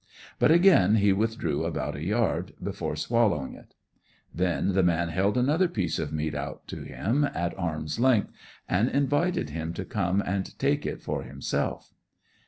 But again he withdrew about a yard, before swallowing it. Then the man held another piece of meat out to him at arm's length, and invited him to come and take it for himself.